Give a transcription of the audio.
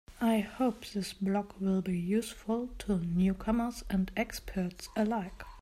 I hope this blog will be useful to newcomers and experts alike.